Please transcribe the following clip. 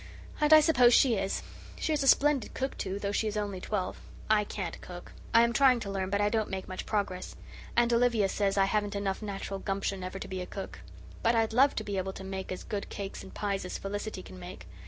"And I suppose she is. She is a splendid cook, too, though she is only twelve. I can't cook. I am trying to learn, but I don't make much progress. Aunt Olivia says I haven't enough natural gumption ever to be a cook; but I'd love to be able to make as good cakes and pies as Felicity can make.